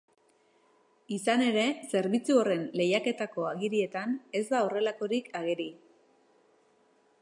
Izan ere, zerbitzu horren lehiaketako agirietan ez da horrelakorik ageri.